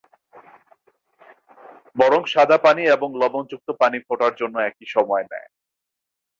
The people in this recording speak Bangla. বরং সাদা পানি এবং লবণযুক্ত পানি ফোটার জন্য একই সময় নেয়।